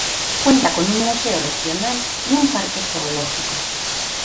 Cuenta con un museo regional y un parque zoológico.